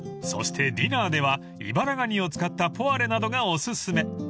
［そしてディナーではイバラガニを使ったポワレなどがお薦め］